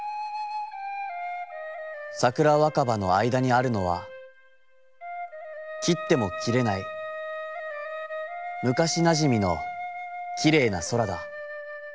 桜若葉の間に在るのは、切つても切れないむかしなじみのきれいな空だ。